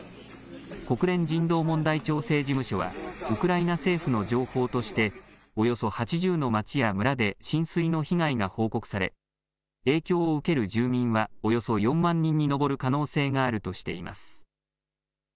国連人道問題調整事務所はウクライナ政府の情報としておよそ８０の町や村で浸水の被害が報告され影響を受ける住民はおよそ４万人に上る可能性があるとしています。